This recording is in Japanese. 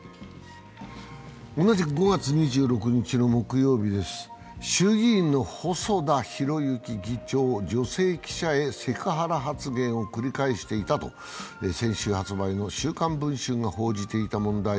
同じく５月２６日の木曜日です衆議院の細田博之議長、女性記者へセクハラ発言を繰り返していたと、先週発売の「週刊文春」が報じていた問題。